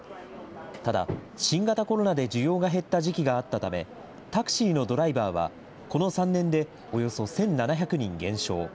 ただ、新型コロナで需要が減った時期があったため、タクシーのドライバーは、この３年でおよそ１７００人減少。